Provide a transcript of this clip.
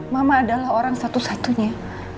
mama adalah orang satu satunya